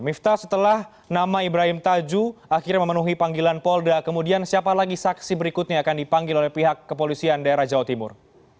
miftah setelah nama ibrahim tajuh akhirnya memenuhi panggilan polda kemudian siapa lagi saksi berikutnya akan dipanggil oleh pihak kepolisian daerah jawa timur